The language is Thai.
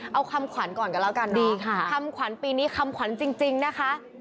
เอาคำขวัญก่อนกันละกันเนอะคำขวัญปีนี้คำขวัญจริงนะคะดีค่ะ